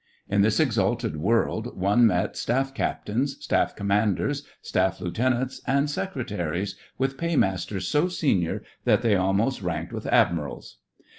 In this exalted world one met Staff Captains, Staff Commanders, Staff Lieutenants, and Secretaries, with Paymasters so senior that they almost ranked with Admirals.